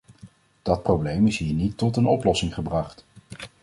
Dat probleem is hier niet tot een oplossing gebracht.